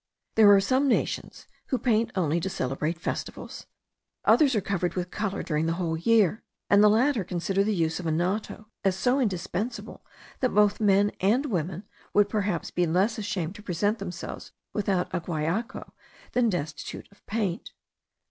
There are some nations who paint only to celebrate festivals; others are covered with colour during the whole year: and the latter consider the use of anato as so indispensable, that both men and women would perhaps be less ashamed to present themselves without a guayaco* than destitute of paint.